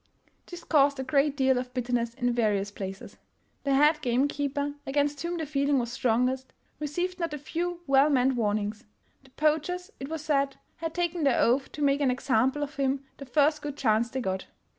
This caused a great deal of bitterness in various places. The head game keeper, against whom the feeling was strongest, received not a few well meant warnings. The poachers, it was said, had taken their oath to make an example of him the first good chance they got.